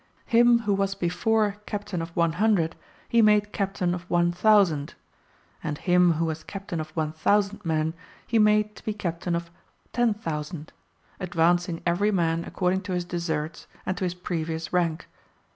Him who was before captain of loo he made captain of looo ; and him who was captain of looo men he made to be captain of 10,000, advancing every man according to his deserts and to his previous rank.